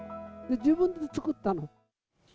自分で作ったの。